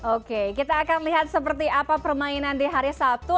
oke kita akan lihat seperti apa permainan di hari sabtu